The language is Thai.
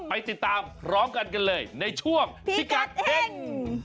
ไปติดตามพร้อมกันกันเลยในช่วงพิกัดเฮ่ง